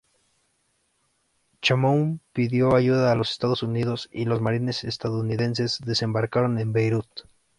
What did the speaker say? Chamoun pidió ayuda a los Estados Unidos, y los "marines" estadounidenses desembarcaron en Beirut.